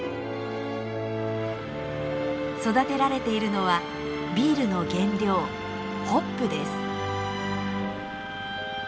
育てられているのはビールの原料ホップです。